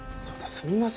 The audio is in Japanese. すみません